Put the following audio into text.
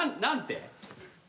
何て？